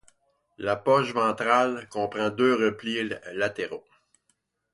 La poche ventrale comprend deux replis latéraux.